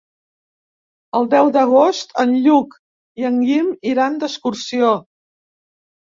El deu d'agost en Lluc i en Guim iran d'excursió.